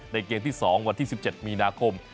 เกมที่๒วันที่๑๗มีนาคม